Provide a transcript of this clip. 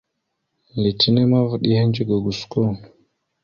Letine ma, vaɗ ya ehədze ga gosko.